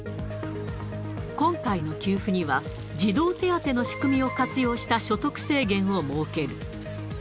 今回の給付には、児童手当の仕組みを活用した所得制限を設ける。